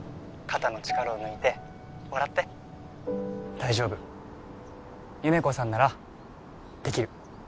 ☎肩の力を抜いて笑って大丈夫優芽子さんならできる